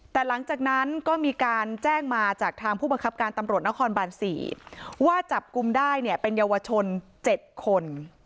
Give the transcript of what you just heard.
แต่หลังจากนั้นก็มีการแจ้งมาจากทางผู้บังคับการตำรวจนครบาน๔ว่าจับกลุ่มได้เนี่ยเป็นเยาวชน๗คน